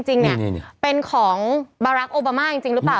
จริงเนี่ยเป็นของบารักษ์โอบามาจริงหรือเปล่า